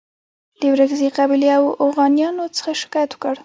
د ورکزي قبیلې اوغانیانو څخه شکایت وکړ.